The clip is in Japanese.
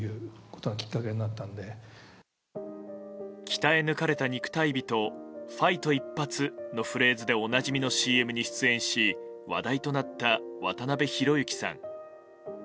鍛え抜かれた肉体美とファイト一発のフレーズでおなじみのＣＭに出演し話題となった渡辺裕之さん。